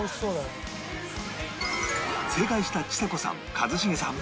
正解したちさ子さん一茂さん